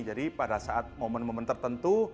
jadi pada saat momen momen tertentu